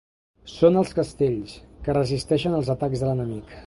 Són els castells, que resisteixen els atacs de l'enemic.